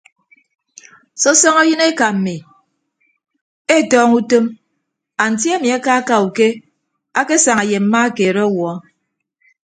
Sọsọñọ yịn eka mmi etọñọ utom anti ami akaaka uke akesaña ye mma keed ọwuọ.